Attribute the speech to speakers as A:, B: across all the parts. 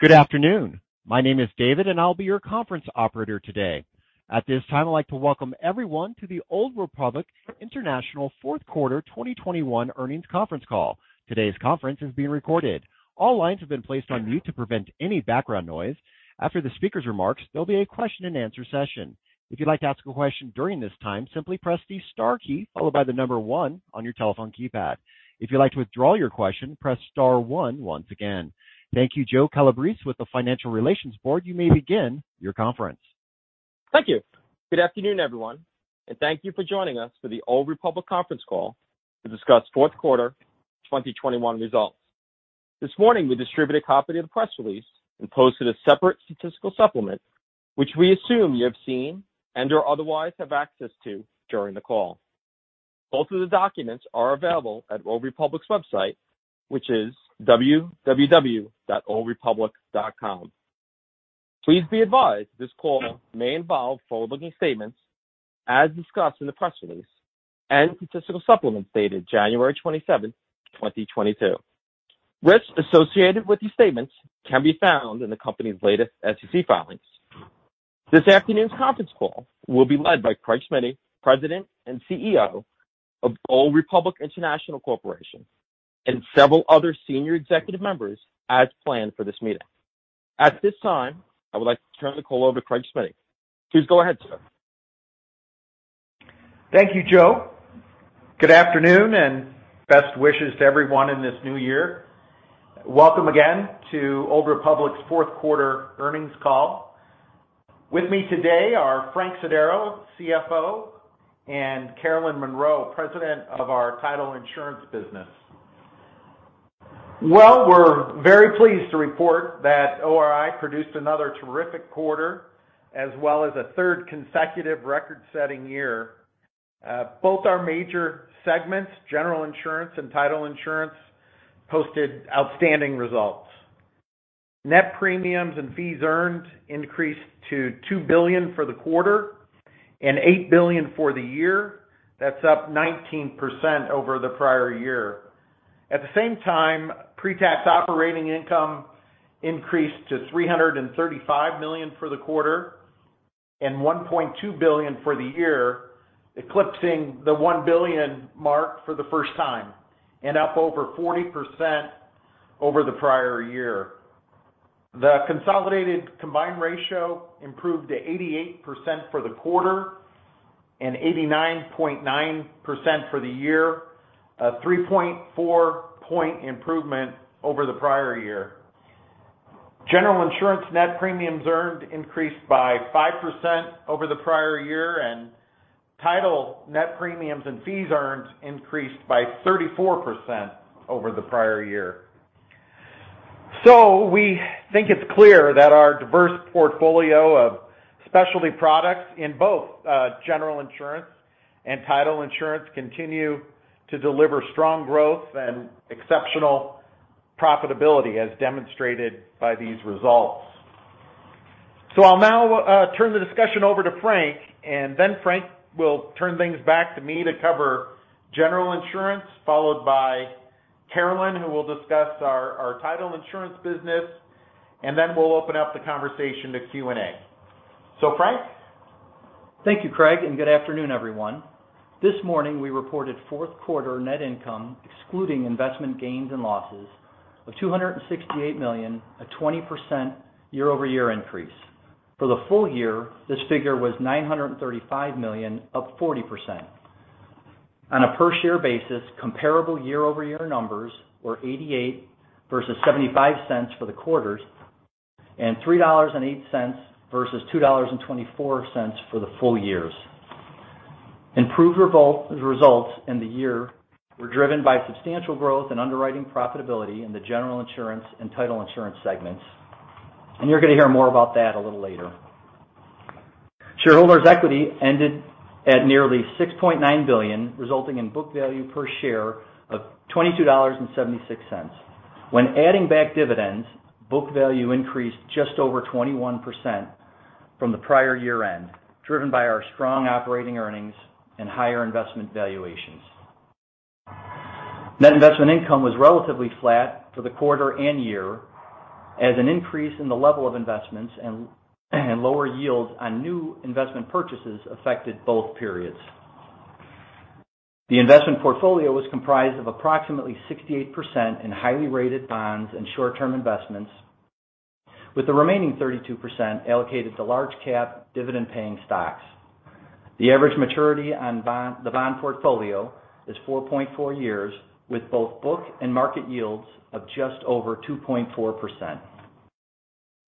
A: Good afternoon. My name is David, and I'll be your conference operator today. At this time, I'd like to welcome everyone to the Old Republic International Fourth Quarter 2021 Earnings Conference Call. Today's conference is being recorded. All lines have been placed on mute to prevent any background noise. After the speaker's remarks, there'll be a question-and-answer session. If you'd like to ask a question during this time, simply press the star key followed by the number 1 on your telephone keypad. If you'd like to withdraw your question, press star 1 once again. Thank you. Joe Calabrese with the Financial Relations Board, you may begin your conference.
B: Thank you. Good afternoon, everyone, and thank you for joining us for the Old Republic conference call to discuss fourth quarter 2021 results. This morning, we distributed a copy of the press release and posted a separate statistical supplement, which we assume you have seen and/or otherwise have access to during the call. Both of the documents are available at Old Republic's website, which is www.oldrepublic.com. Please be advised this call may involve forward-looking statements as discussed in the press release and statistical supplements dated January 27, 2022. Risks associated with these statements can be found in the company's latest SEC filings. This afternoon's conference call will be led by Craig Smiddy, President and CEO of Old Republic International Corporation, and several other senior executive members as planned for this meeting. At this time, I would like to turn the call over to Craig Smiddy. Please go ahead, sir.
C: Thank you, Joe. Good afternoon and best wishes to everyone in this new year. Welcome again to Old Republic's fourth quarter earnings call. With me today are Frank Sodaro, CFO, and Carolyn Monroe, President of our Title Insurance business. Well, we're very pleased to report that ORI produced another terrific quarter as well as a third consecutive record-setting year. Both our major segments, General Insurance and Title Insurance, posted outstanding results. Net premiums and fees earned increased to $2 billion for the quarter and $8 billion for the year. That's up 19% over the prior year. At the same time, pre-tax operating income increased to $335 million for the quarter and $1.2 billion for the year, eclipsing the $1 billion mark for the first time and up over 40% over the prior year. The consolidated combined ratio improved to 88% for the quarter and 89.9% for the year, a 3.4-point improvement over the prior year. General Insurance net premiums earned increased by 5% over the prior year, and Title net premiums and fees earned increased by 34% over the prior year. We think it's clear that our diverse portfolio of specialty products in both General Insurance and Title Insurance continue to deliver strong growth and exceptional profitability as demonstrated by these results. I'll now turn the discussion over to Frank, and then Frank will turn things back to me to cover General Insurance, followed by Carolyn, who will discuss our Title Insurance business. Then we'll open up the conversation to Q&A. Frank.
D: Thank you, Craig, and good afternoon, everyone. This morning, we reported fourth quarter net income, excluding investment gains and losses of $268 million, a 20% year-over-year increase. For the full year, this figure was $935 million, up 40%. On a per-share basis, comparable year-over-year numbers were $0.88 versus $0.75 for the quarters and $3.08 versus $2.24 for the full years. Improved results in the year were driven by substantial growth in underwriting profitability in the General Insurance and Title Insurance segments, and you're gonna hear more about that a little later. Shareholders' equity ended at nearly $6.9 billion, resulting in book value per share of $22.76. When adding back dividends, book value increased just over 21% from the prior year-end, driven by our strong operating earnings and higher investment valuations. Net investment income was relatively flat for the quarter and year as an increase in the level of investments and lower yields on new investment purchases affected both periods. The investment portfolio was comprised of approximately 68% in highly rated bonds and short-term investments, with the remaining 32% allocated to large cap, dividend-paying stocks. The average maturity on the bond portfolio is 4.4 years, with both book and market yields of just over 2.4%.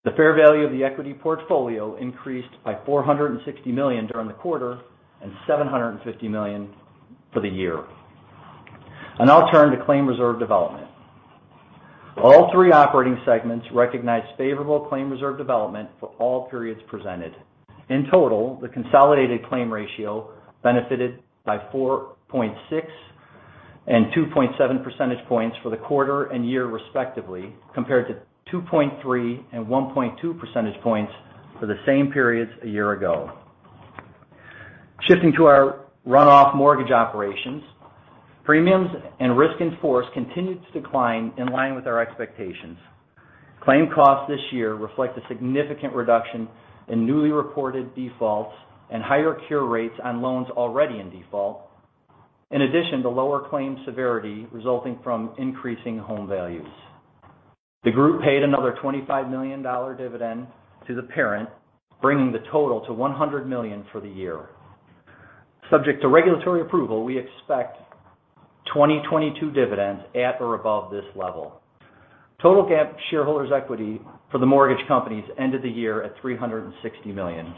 D: The fair value of the equity portfolio increased by $460 million during the quarter and $750 million for the year. I'll turn to claim reserve development. All three operating segments recognized favorable claim reserve development for all periods presented. In total, the consolidated claim ratio benefited by 4.6 and 2.7 percentage points for the quarter and year respectively, compared to 2.3 and 1.2 percentage points for the same periods a year ago. Shifting to our runoff mortgage operations. Premiums and risk in force continued to decline in line with our expectations. Claim costs this year reflect a significant reduction in newly reported defaults and higher cure rates on loans already in default, in addition to lower claim severity resulting from increasing home values. The group paid another $25 million dividend to the parent, bringing the total to $100 million for the year. Subject to regulatory approval, we expect 2022 dividends at or above this level. Total shareholders' equity for the mortgage companies ended the year at $360 million.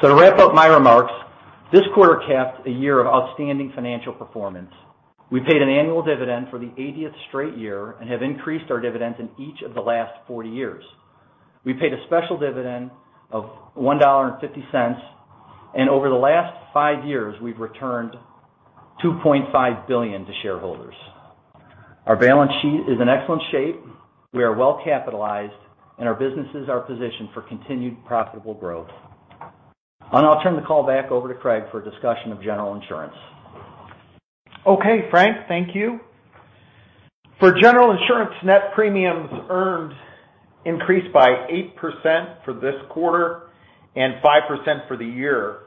D: To wrap up my remarks, this quarter capped a year of outstanding financial performance. We paid an annual dividend for the 80th straight year and have increased our dividends in each of the last 40 years. We paid a special dividend of $1.50, and over the last five years, we've returned $2.5 billion to shareholders. Our balance sheet is in excellent shape. We are well capitalized, and our businesses are positioned for continued profitable growth. I'll turn the call back over to Craig for a discussion of General Insurance.
C: Okay, Frank, thank you. For General Insurance, net premiums earned increased by 8% for this quarter and 5% for the year.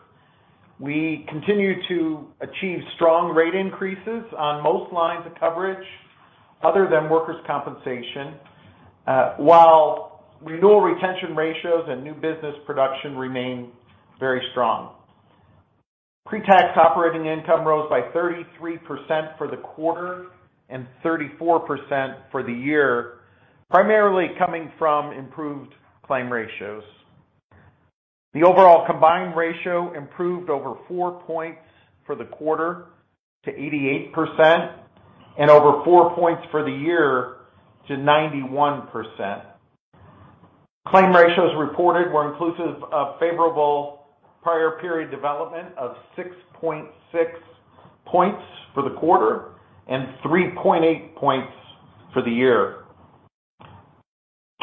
C: We continue to achieve strong rate increases on most lines of coverage other than workers' compensation while renewal retention ratios and new business production remain very strong. Pre-tax operating income rose by 33% for the quarter and 34% for the year, primarily coming from improved claim ratios. The overall combined ratio improved over 4 points for the quarter to 88% and over 4 points for the year to 91%. Claim ratios reported were inclusive of favorable prior period development of 6.6 points for the quarter and 3.8 points for the year.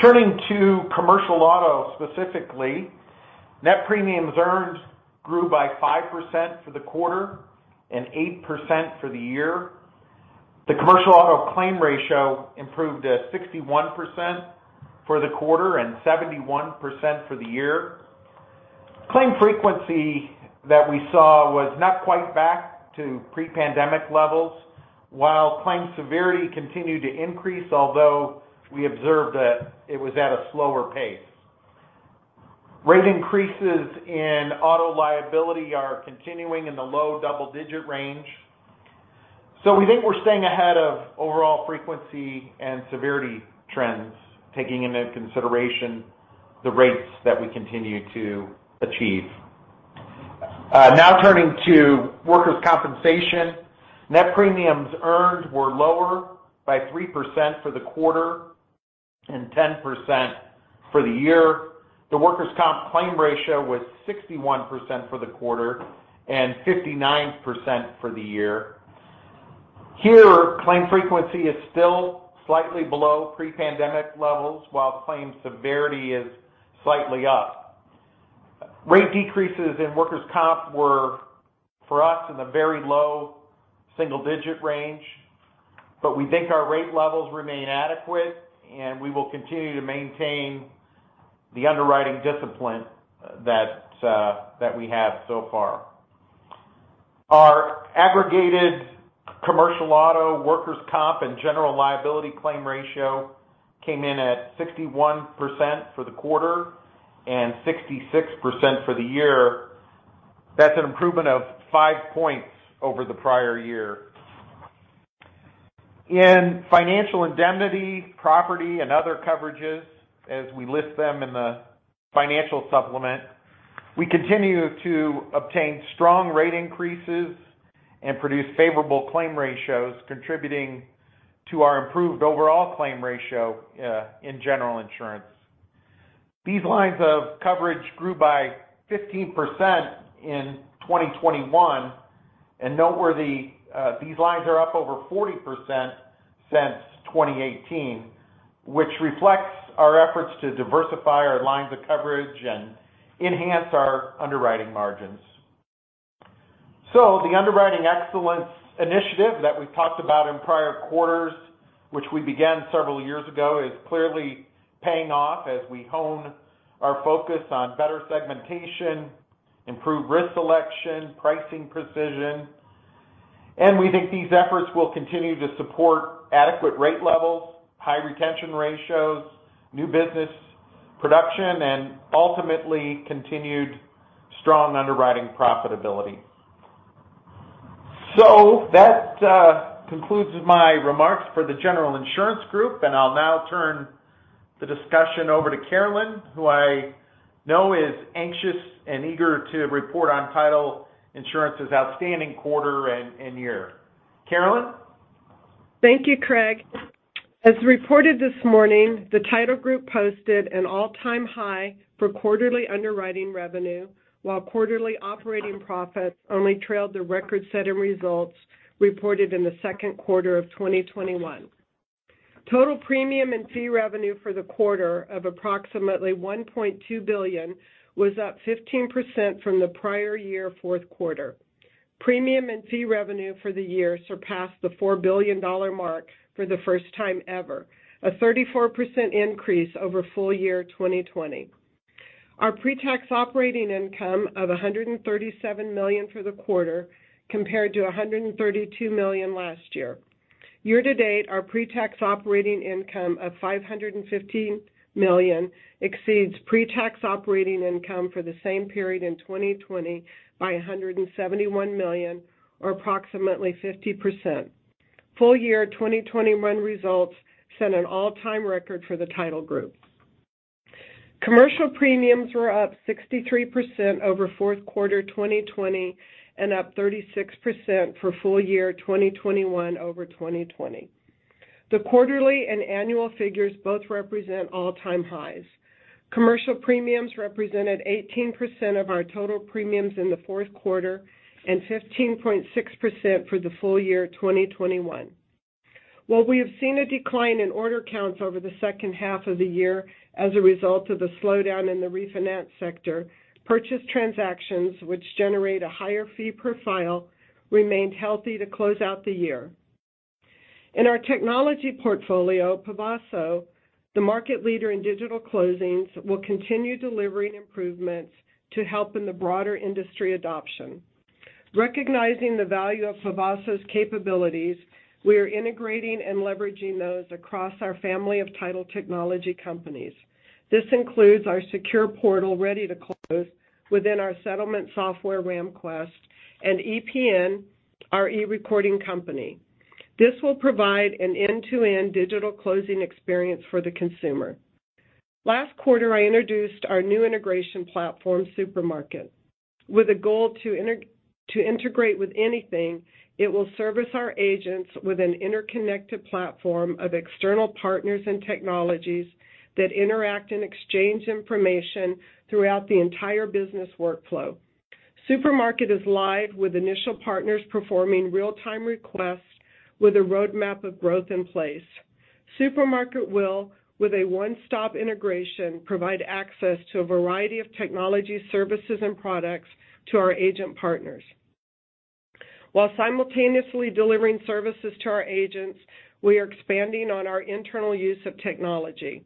C: Turning to commercial auto, specifically, net premiums earned grew by 5% for the quarter and 8% for the year. The commercial auto claim ratio improved to 61% for the quarter and 71% for the year. Claim frequency that we saw was not quite back to pre-pandemic levels, while claim severity continued to increase, although we observed that it was at a slower pace. Rate increases in auto liability are continuing in the low double-digit range. We think we're staying ahead of overall frequency and severity trends, taking into consideration the rates that we continue to achieve. Now turning to workers' compensation. Net premiums earned were lower by 3% for the quarter and 10% for the year. The workers' comp claim ratio was 61% for the quarter and 59% for the year. Here, claim frequency is still slightly below pre-pandemic levels, while claim severity is slightly up. Rate decreases in workers' comp were, for us, in the very low single-digit range, but we think our rate levels remain adequate, and we will continue to maintain the underwriting discipline that we have so far. Our aggregated commercial auto workers' comp and general liability claim ratio came in at 61% for the quarter and 66% for the year. That's an improvement of 5 points over the prior year. In Financial Indemnity, property, and other coverages, as we list them in the financial supplement, we continue to obtain strong rate increases and produce favorable claim ratios, contributing to our improved overall claim ratio in General Insurance. These lines of coverage grew by 15% in 2021, and noteworthy, these lines are up over 40% since 2018, which reflects our efforts to diversify our lines of coverage and enhance our underwriting margins. The Underwriting Excellence Initiative that we've talked about in prior quarters, which we began several years ago, is clearly paying off as we hone our focus on better segmentation, improved risk selection, pricing precision, and we think these efforts will continue to support adequate rate levels, high retention ratios, new business production, and ultimately continued strong underwriting profitability. That concludes my remarks for the General Insurance group, and I'll now turn the discussion over to Carolyn, who I know is anxious and eager to report on Title Insurance's outstanding quarter and year. Carolyn.
E: Thank you, Craig. As reported this morning, the Title group posted an all-time high for quarterly underwriting revenue, while quarterly operating profits only trailed the record-setting results reported in the second quarter of 2021. Total premium and fee revenue for the quarter of approximately $1.2 billion was up 15% from the prior year fourth quarter. Premium and fee revenue for the year surpassed the $4 billion mark for the first time ever, a 34% increase over full year 2020. Our pre-tax operating income of $137 million for the quarter compared to $132 million last year. Year to date, our pre-tax operating income of $515 million exceeds pre-tax operating income for the same period in 2020 by $171 million, or approximately 50%. Full year 2021 results set an all-time record for the Title group. Commercial premiums were up 63% over fourth quarter 2020 and up 36% for full year 2021 over 2020. The quarterly and annual figures both represent all-time highs. Commercial premiums represented 18% of our total premiums in the fourth quarter and 15.6% for the full year 2021. While we have seen a decline in order counts over the second half of the year as a result of the slowdown in the refinance sector, purchase transactions, which generate a higher fee per file, remained healthy to close out the year. In our technology portfolio, Pavaso, the market leader in digital closings, will continue delivering improvements to help in the broader industry adoption. Recognizing the value of Pavaso's capabilities, we are integrating and leveraging those across our family of title technology companies. This includes our secure portal, Ready to Close, within our settlement software, RamQuest, and ePN, our e-recording company. This will provide an end-to-end digital closing experience for the consumer. Last quarter, I introduced our new integration platform, [Supermarket]. With a goal to integrate with anything, it will service our agents with an interconnected platform of external partners and technologies that interact and exchange information throughout the entire business workflow. Supermarket is live with initial partners performing real-time requests with a roadmap of growth in place. Supermarket will, with a one-stop integration, provide access to a variety of technology services and products to our agent partners. While simultaneously delivering services to our agents, we are expanding on our internal use of technology.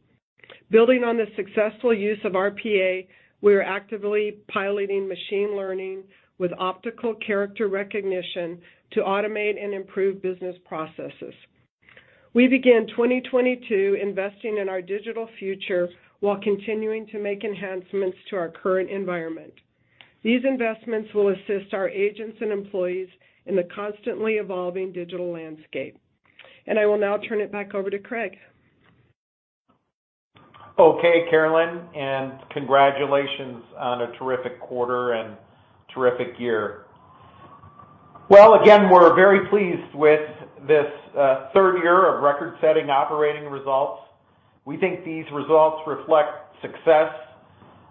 E: Building on the successful use of RPA, we are actively piloting machine learning with optical character recognition to automate and improve business processes. We began 2022 investing in our digital future while continuing to make enhancements to our current environment. These investments will assist our agents and employees in the constantly evolving digital landscape. I will now turn it back over to Craig.
C: Okay, Carolyn, and congratulations on a terrific quarter and terrific year. Well, again, we're very pleased with this third year of record-setting operating results. We think these results reflect success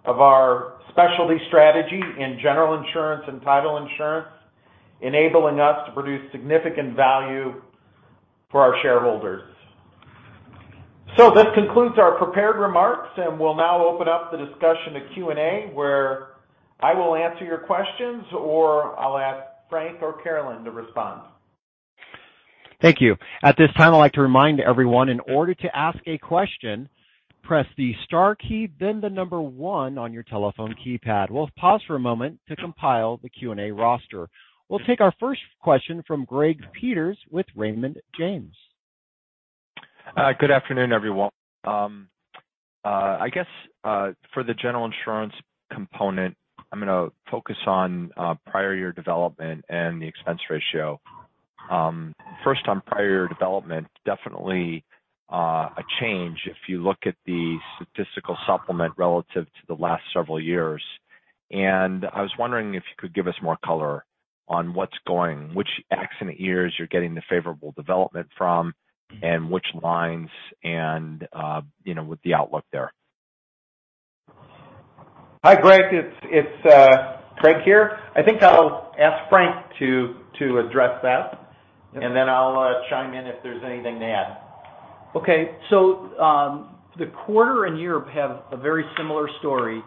C: of our specialty strategy in General Insurance and Title Insurance, enabling us to produce significant value for our shareholders. This concludes our prepared remarks, and we'll now open up the discussion to Q&A, where I will answer your questions, or I'll ask Frank or Carolyn to respond.
A: Thank you. At this time, I'd like to remind everyone, in order to ask a question, press the star key, then the number one on your telephone keypad. We'll pause for a moment to compile the Q&A roster. We'll take our first question from Greg Peters with Raymond James.
F: Good afternoon, everyone. I guess, for the General Insurance component, I'm gonna focus on prior year development and the expense ratio. First, on prior year development, definitely a change if you look at the statistical supplement relative to the last several years. I was wondering if you could give us more color on what's going on, which accident years you're getting the favorable development from, and which lines and, you know, with the outlook there.
C: Hi, Greg. It's Craig here. I think I'll ask Frank to address that, and then I'll chime in if there's anything to add.
D: Okay. The quarter in Europe have a very similar story.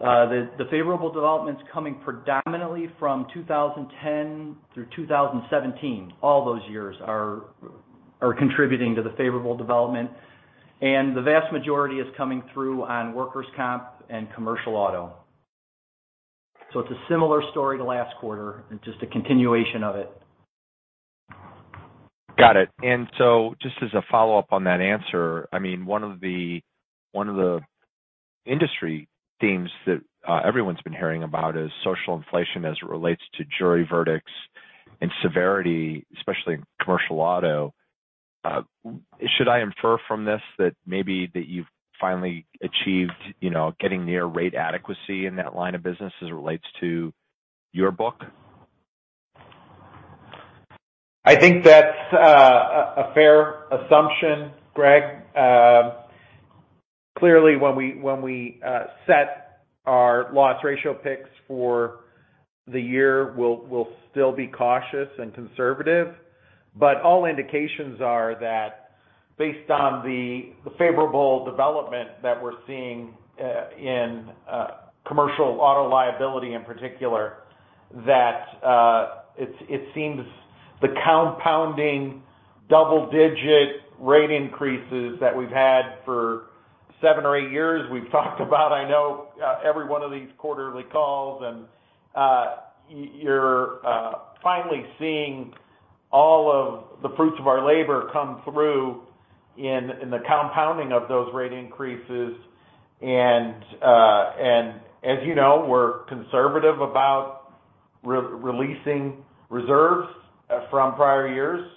D: The favorable development's coming predominantly from 2010 through 2017. All those years are contributing to the favorable development, and the vast majority is coming through on workers' comp and commercial auto. It's a similar story to last quarter and just a continuation of it.
F: Got it. Just as a follow-up on that answer, I mean, one of the industry themes that everyone's been hearing about is social inflation as it relates to jury verdicts and severity, especially in commercial auto. Should I infer from this that maybe that you've finally achieved, you know, getting near rate adequacy in that line of business as it relates to your book?
C: I think that's a fair assumption, Greg. Clearly when we set our loss ratio picks for the year, we'll still be cautious and conservative. All indications are that based on the favorable development that we're seeing in commercial auto liability in particular, that it seems the compounding double-digit rate increases that we've had for seven or eight years we've talked about, I know, every one of these quarterly calls and you're finally seeing all of the fruits of our labor come through in the compounding of those rate increases. As you know, we're conservative about re-releasing reserves from prior years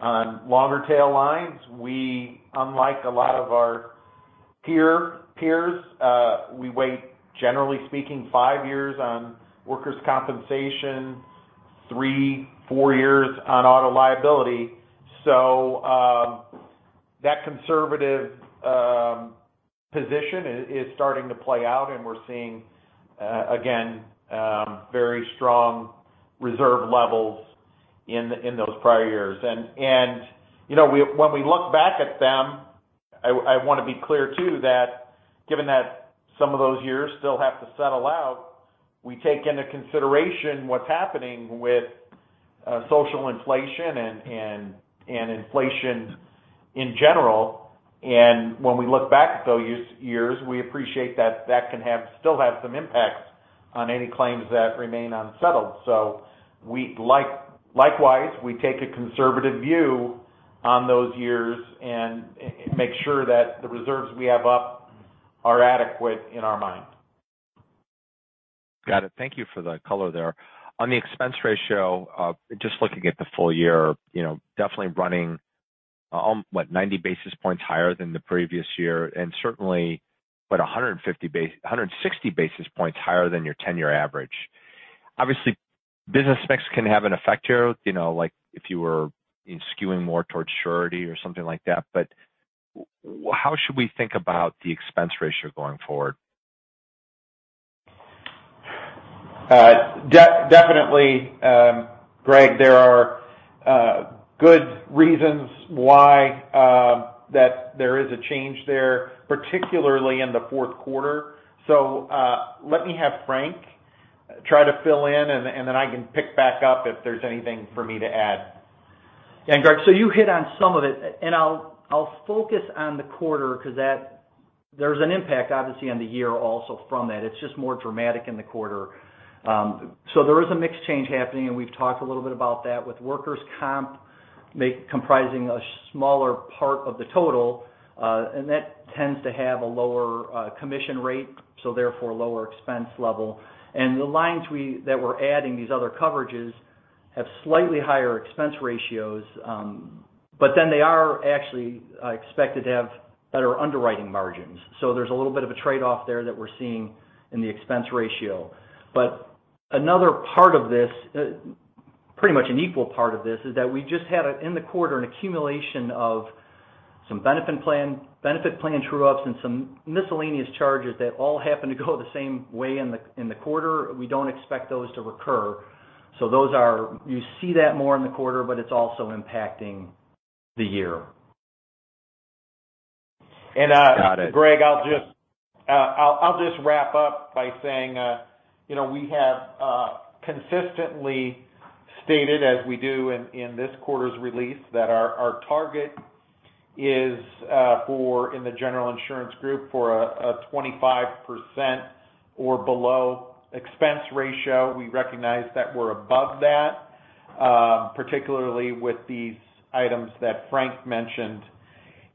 C: on longer tail lines. We unlike a lot of our peers, we wait, generally speaking, five years on workers' compensation, three, four years on auto liability. That conservative position is starting to play out, and we're seeing again very strong reserve levels in those prior years. And you know, when we look back at them, I wanna be clear too, that given that some of those years still have to settle out, we take into consideration what's happening with social inflation and inflation in general. And when we look back at those years, we appreciate that that can still have some impact on any claims that remain unsettled. We likewise take a conservative view on those years and make sure that the reserves we have up are adequate in our mind.
F: Got it. Thank you for the color there. On the expense ratio, just looking at the full year, you know, definitely running what 90 basis points higher than the previous year, and certainly a 160 basis points higher than your 10-year average. Obviously, business mix can have an effect here, you know, like if you were skewing more towards surety or something like that. How should we think about the expense ratio going forward?
C: Definitely, Greg, there are good reasons why that there is a change there, particularly in the fourth quarter. Let me have Frank try to fill in, and then I can pick back up if there's anything for me to add.
D: Greg, you hit on some of it, and I'll focus on the quarter because there's an impact, obviously, on the year also from that. It's just more dramatic in the quarter. There is a mix change happening, and we've talked a little bit about that with workers' comp maybe comprising a smaller part of the total, and that tends to have a lower commission rate, so therefore a lower expense level. The lines that we're adding, these other coverages, have slightly higher expense ratios, but then they are actually expected to have better underwriting margins. There's a little bit of a trade-off there that we're seeing in the expense ratio. Another part of this, pretty much an equal part of this, is that we just had, in the quarter, an accumulation of some benefit plan true-ups and some miscellaneous charges that all happened to go the same way in the quarter. We don't expect those to recur. You see that more in the quarter, but it's also impacting the year.
F: Got it.
C: Greg, I'll just wrap up by saying, you know, we have consistently stated as we do in this quarter's release, that our target is for the General Insurance group for a 25% or below expense ratio. We recognize that we're above that, particularly with these items that Frank mentioned.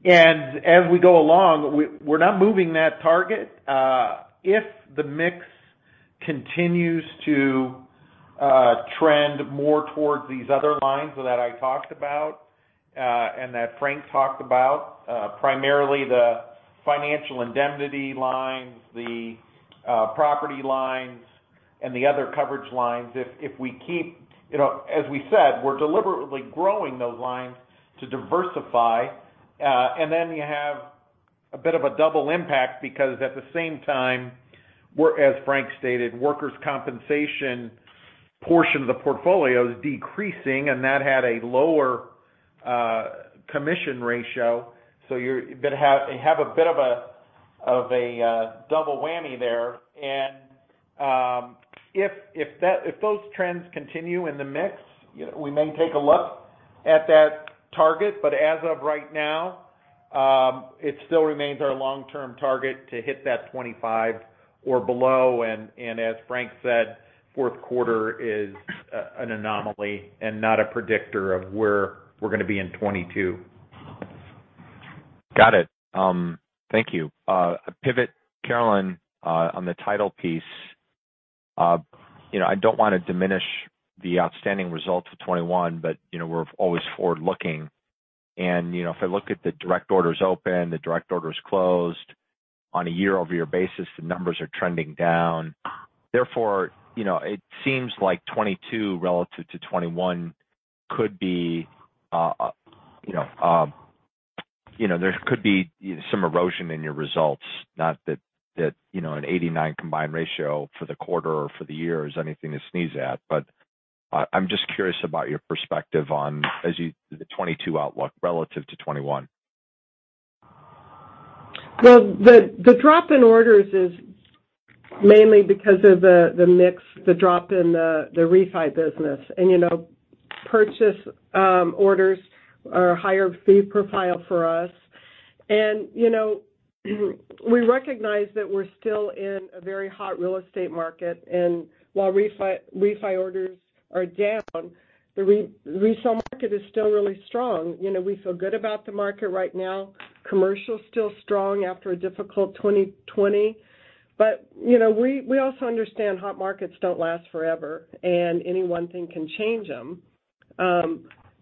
C: As we go along, we're not moving that target. If the mix continues to trend more towards these other lines that I talked about and that Frank talked about, primarily the Financial Indemnity lines, the property lines, and the other coverage lines. If we keep, you know, as we said, we're deliberately growing those lines to diversify, and then you have a bit of a double impact, because at the same time, as Frank stated, workers' compensation portion of the portfolio is decreasing, and that had a lower combined ratio. You're gonna have a bit of a double whammy there. If those trends continue in the mix, you know, we may take a look at that target. As of right now, it still remains our long-term target to hit that 25 or below. As Frank said, fourth quarter is an anomaly and not a predictor of where we're gonna be in 2022.
F: Got it. Thank you. Pivot, Carolyn, on the title piece. You know, I don't wanna diminish the outstanding results of 2021, but, you know, we're always forward-looking. You know, if I look at the direct orders opened, the direct orders closed on a year-over-year basis, the numbers are trending down. Therefore, you know, it seems like 2022 relative to 2021 could be, you know, there could be some erosion in your results. Not that that, you know, an 89 combined ratio for the quarter or for the year is anything to sneeze at, but I'm just curious about your perspective on the 2022 outlook relative to 2021.
E: Well, the drop in orders is mainly because of the mix, the drop in the refi business. You know, purchase orders are higher fee profile for us. You know, we recognize that we're still in a very hot real estate market. While refi orders are down, the resale market is still really strong. You know, we feel good about the market right now. Commercial's still strong after a difficult 2020. You know, we also understand hot markets don't last forever, and any one thing can change them.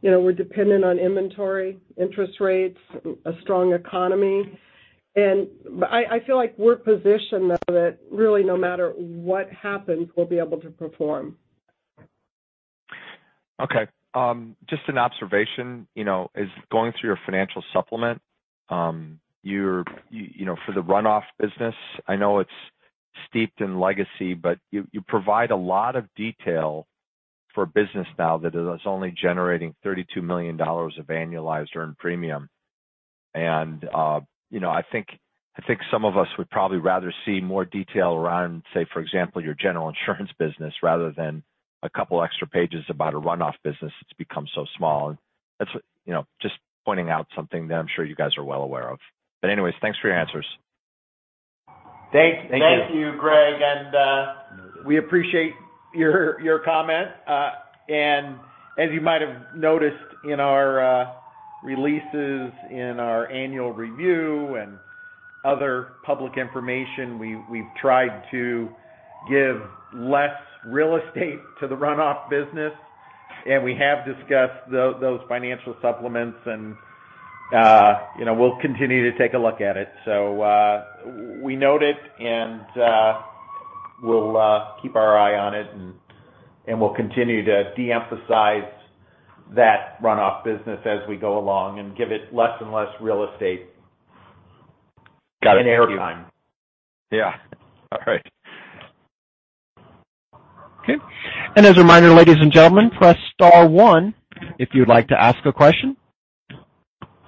E: You know, we're dependent on inventory, interest rates, a strong economy. I feel like we're positioned though that really no matter what happens, we'll be able to perform.
F: Okay. Just an observation. You know, as I'm going through your financial supplement, you know, for the runoff business, I know it's steeped in legacy. You provide a lot of detail for a business now that is only generating $32 million of annualized earned premium. You know, I think some of us would probably rather see more detail around, say, for example, your General Insurance business rather than a couple extra pages about a runoff business that's become so small. That's you know, just pointing out something that I'm sure you guys are well aware of. Anyways, thanks for your answers.
C: Thank you, Greg. We appreciate your comment. As you might have noticed in our releases, in our annual review and other public information, we've tried to give less real estate to the runoff business. We have discussed those financial supplements, you know, we'll continue to take a look at it. We note it and we'll keep our eye on it and we'll continue to de-emphasize that runoff business as we go along and give it less and less real estate.
F: Got it. Thank you.
C: Air time.
F: Yeah. All right.
A: Okay. As a reminder, ladies and gentlemen, press star one if you'd like to ask a question.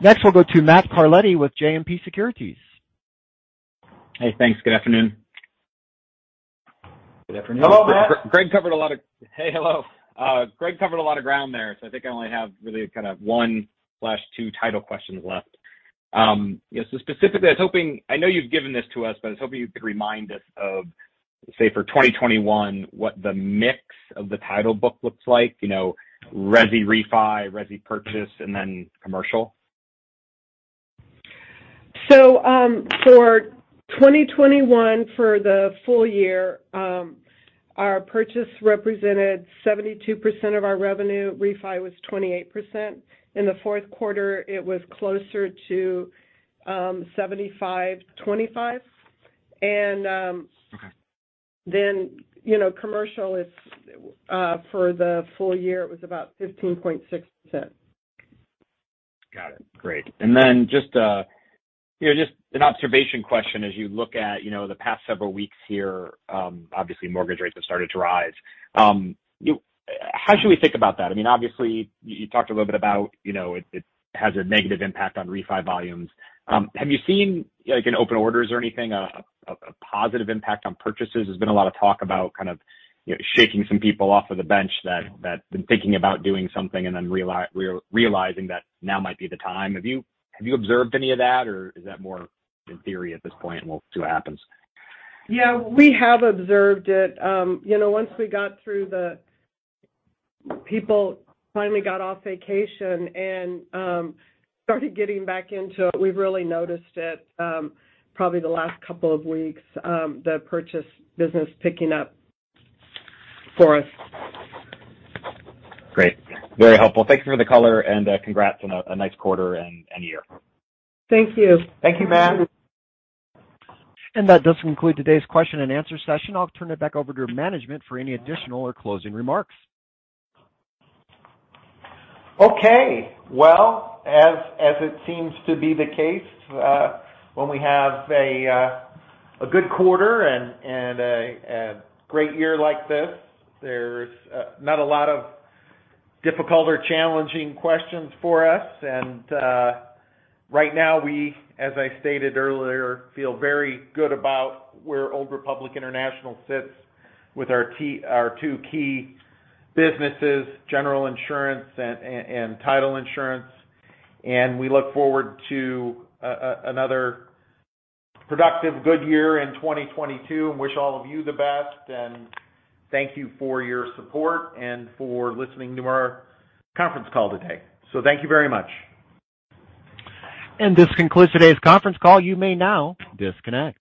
A: Next, we'll go to Matt Carletti with JMP Securities.
G: Hey, thanks. Good afternoon.
D: Good afternoon.
C: Hello, Matt.
G: Craig covered a lot of ground there, so I think I only have really kind of 1-2 title questions left. Yeah, so specifically I was hoping, I know you've given this to us, but I was hoping you could remind us of, say, for 2021 what the mix of the title book looks like. You know, resi refi, resi purchase, and then commercial.
E: For 2021, for the full year, our purchase represented 72% of our revenue. Refi was 28%. In the fourth quarter, it was closer to 75%-25%.
G: Okay.
E: You know, commercial is for the full year, it was about 15.6%.
G: Got it. Great. Just, you know, just an observation question as you look at, you know, the past several weeks here, obviously mortgage rates have started to rise. How should we think about that? I mean, obviously, you talked a little bit about, you know, it has a negative impact on refi volumes. Have you seen, like in open orders or anything, a positive impact on purchases? There's been a lot of talk about kind of, you know, shaking some people off of the bench that have been thinking about doing something and then realizing that now might be the time. Have you observed any of that, or is that more in theory at this point and we'll see what happens?
E: Yeah, we have observed it. You know, once we got through, people finally got off vacation and started getting back into it, we've really noticed it, probably the last couple of weeks, the purchase business picking up for us.
G: Great. Very helpful. Thanks for the color and congrats on a nice quarter and year.
E: Thank you.
C: Thank you, Matt.
A: That does conclude today's question and answer session. I'll turn it back over to management for any additional or closing remarks.
C: Okay. Well, as it seems to be the case, when we have a good quarter and a great year like this, there's not a lot of difficult or challenging questions for us. Right now we, as I stated earlier, feel very good about where Old Republic International sits with our two key businesses, General Insurance and Title Insurance. We look forward to another productive good year in 2022. I wish all of you the best, and thank you for your support and for listening to our conference call today. Thank you very much.
A: This concludes today's conference call. You may now disconnect.